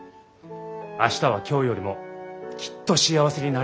明日は今日よりもきっと幸せになれる。